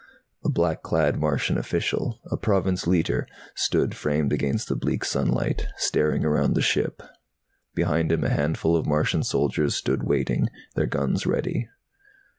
A black clad Martian official, a Province Leiter, stood framed against the bleak sunlight, staring around the ship. Behind him a handful of Martian soldiers stood waiting, their guns ready.